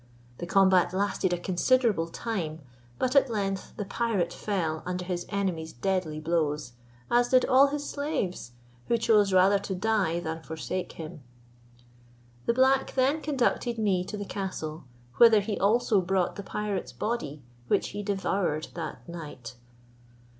The combat lasted a considerable time; but at length the pirate fell under his enemy's deadly blows, as did all his slaves, who chose rather to die than forsake him. The black then conducted me to the castle, whither he also brought the pirate's body, which he devoured that night.